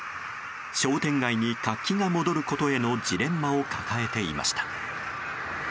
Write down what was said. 商店街に活気が戻ることへのジレンマを抱えていました。